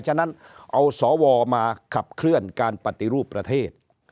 ฉะนั้นเอาสวมาขับเคลื่อนการปฏิรูปประเทศ